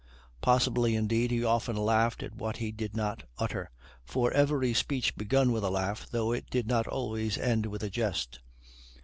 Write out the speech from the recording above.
Possibly, indeed, he often laughed at what he did not utter, for every speech begun with a laugh, though it did not always end with a jest.